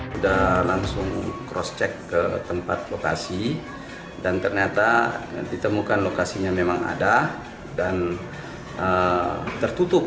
sudah langsung cross check ke tempat lokasi dan ternyata ditemukan lokasinya memang ada dan tertutup